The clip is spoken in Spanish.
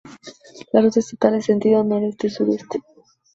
La Ruta Estatal es de sentido noroeste-sureste.